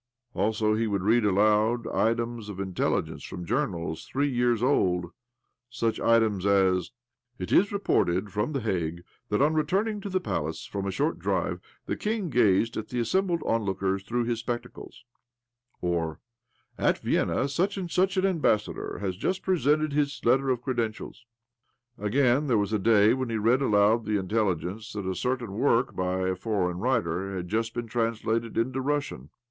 Also, he would read aloud items of intelligence from journals three years old — such items as, ' It is reported from The Hague that, on returning to the Palace from a short drive, the King gazed at the assembled onlookers through his spectacles," or ' At Vienna such and such an Ambassador has just presented his Letter of Credentials." Again, there was a iday when he read aloud the intelligence that a certain work by a foreign writer had just been translated into Russian.